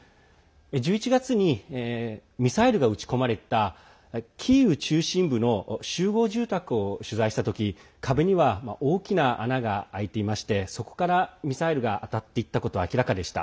１１月にミサイルが撃ち込まれたキーウ中心部の集合住宅を取材した時壁には大きな穴が開いていましてそこからミサイルが当たっていったことは明らかでした。